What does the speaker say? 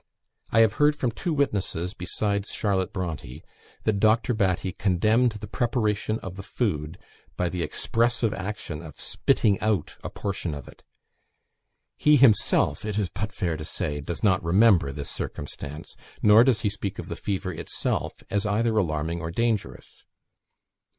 I have heard from two witnesses besides Charlotte Bronte, that Dr. Batty condemned the preparation of the food by the expressive action of spitting out a portion of it. He himself, it is but fair to say, does not remember this circumstance, nor does he speak of the fever itself as either alarming or dangerous.